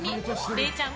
れいちゃん